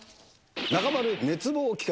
中丸熱望企画。